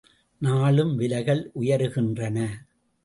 நாளும் விலைகள் உயருகின்றன.